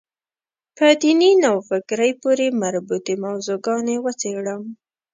په دیني نوفکرۍ پورې مربوطې موضوع ګانې وڅېړم.